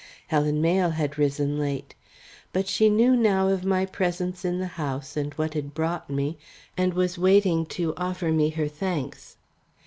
Helen Mayle had risen late. But she knew now of my presence in the house and what had brought me, and was waiting to offer me her thanks.